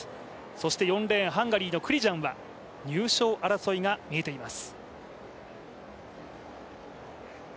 そして４レーン、ハンガリーのクリジャンは入賞争いが見えています。